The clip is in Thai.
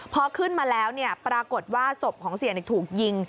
พอขึ้นมาแล้วปรากฏว่าศพของเสียถูกยิง